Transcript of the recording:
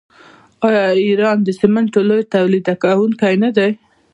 آیا ایران د سمنټو لوی تولیدونکی نه دی؟